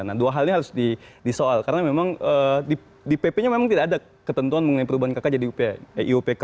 nah dua hal ini harus disoal karena memang di pp nya memang tidak ada ketentuan mengenai perubahan kkj di iupk